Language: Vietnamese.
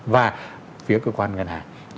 và phía cơ quan ngân hàng